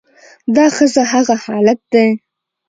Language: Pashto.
دا ښځه هغه حالت دى